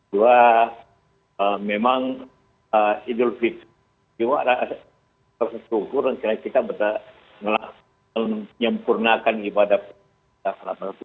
dua memang idul fitri juga sudah bersyukur dan kita bisa menyempurnakan ibadah kita selama ini